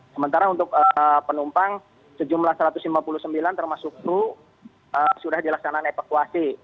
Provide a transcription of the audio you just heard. sementara untuk penumpang sejumlah satu ratus lima puluh sembilan termasuk kru sudah dilaksanakan evakuasi